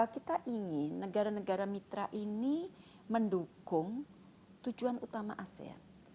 kita ingin negara negara mitra ini mendukung tujuan utama asean